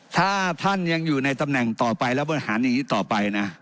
ถ้าท่านยังอยู่ในตำแหน่งต่อไปแล้วบริหารอย่างนี้ต่อไปนะ